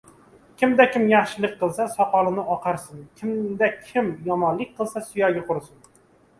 • Kimda kim yaxshilik qilsa — soqoli oqarsin, kimda kim yomonlik qilsa — suyagi qurisin.